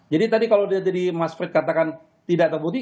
jadi tadi kalau dia jadi mas frit katakan tidak terbukti